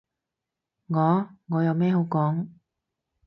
我？我有咩好講？